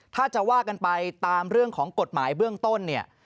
ถ้าจะว่ากันไปตามเรื่องของกฎหมายเบื้องต้นเนี่ย